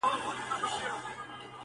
تا ول زه به یارته زولنې د کاکل واغوندم ,